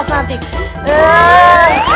bisa banget kita adu seramai